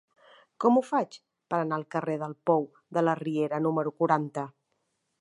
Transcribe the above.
Com ho faig per anar al carrer del Pou de la Riera número quaranta?